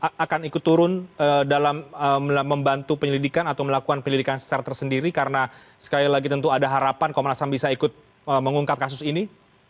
apakah akan ikut turun dalam membantu penyelidikan atau melakukan penyelidikan secara tersendiri karena sekali lagi tentu ada harapan komnas ham bisa ikut mengungkap kasus ini